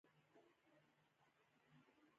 ایا په کار کې ډیر ناست یاست؟